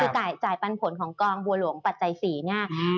คือจ่ายปันผลของกองบัวหลวงปัจจัย๔เนี่ย